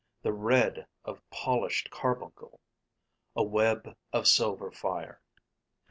the red of polished carbuncle ... a web of silver fire.